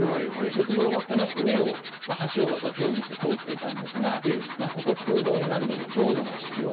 鉄道はこの上を橋を渡すようにして通っていたんですがここ空洞になるので強度が必要。